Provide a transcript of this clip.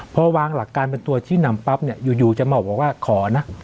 พอวางหลักการเป็นตัวชี้นำปั๊บเนี่ยอยู่จะมาบอกว่าขอนะ